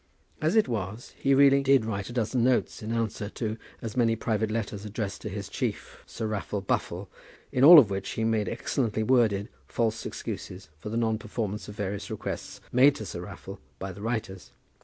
As it was, he really did write a dozen notes in answer to as many private letters addressed to his chief, Sir Raffle Buffle, in all of which he made excellently worded false excuses for the non performance of various requests made to Sir Raffle by the writers.